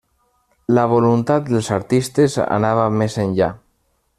La voluntat dels artistes anava més enllà.